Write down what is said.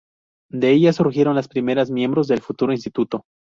De ellas surgieron las primeras miembros del futuro instituto.